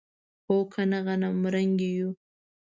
هو کنه غنمرنګي یو.